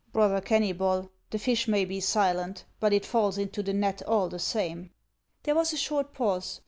" Brother Kenuybol, the fish may be silent, but it falls into the net all the same." There was a short pause.